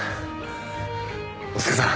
お疲れさん！